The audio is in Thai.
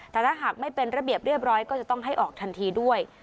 แต่ถ้าหากไม่เป็นระเบียบเรียบร้อยก็จะต้องให้ออกทันทีด้วย